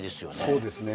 そうですね